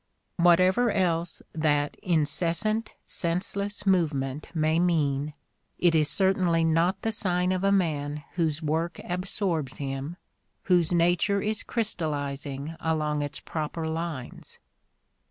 Whatever else that incessant, senseless movement may mean, it is certainly not the sign of a man whose work absorbs him, whose nature is crystallizing along its proper lines.